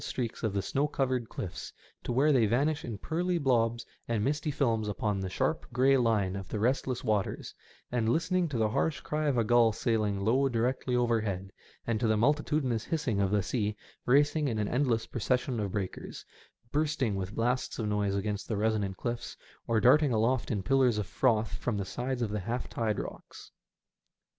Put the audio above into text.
215 streaks of the snow covered cliffs to where they vanish in pearly blobs and misty films upon the sharp, grey line of the restless waters, and listening to the harsh cry of a gull sailing low directly overhead, and to the multitudinous hissing of the sea racing in an endless procession of breakers, bursting with blasts of noise against the resonant cliffs, or darting aloft in pillars of froth from the sides of the half tide rocks.